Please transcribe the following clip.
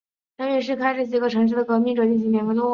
陈于是开始与几个城市的革命者进行联络。